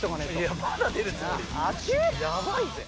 やばいぜ！